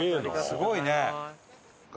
すごいね。